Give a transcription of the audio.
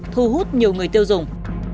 thu hút nhiều người tiêu dùng